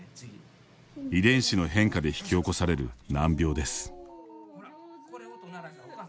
遺伝子の変化で引き起こされる難病です。